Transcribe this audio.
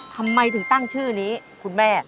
ทำไมถึงตั้งชื่อนี้คุณแม่